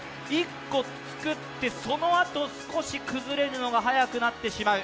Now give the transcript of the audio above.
１個つくってそのあと崩れるのが速くなってしまう。